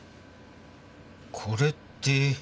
これって。